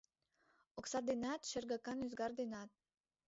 Окса денат, шергакан ӱзгар денат...